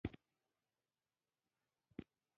لیکل یې پرې کولی او شعرونه یې هم پرې ویلي وو.